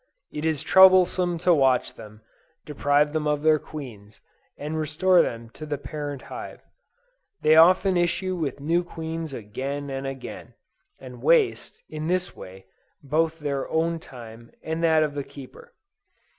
It is troublesome to watch them, deprive them of their queens, and restore them to the parent hive. They often issue with new queens again and again; and waste, in this way, both their own time, and that of their keeper.